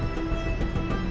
aku mau menangkapmu